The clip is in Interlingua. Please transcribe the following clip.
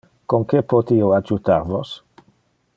Con que pote io adjutar vos?